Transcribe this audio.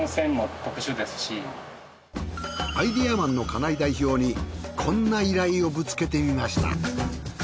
アイデアマンの金井代表にこんな依頼をぶつけてみました。